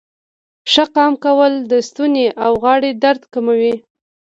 ښه قام کول د ستونې او غاړې درد کموي.